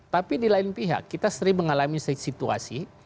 tapi di lain pihak kita sering mengalami situasi